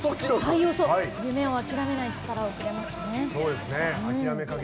夢を諦めない力をくれますね。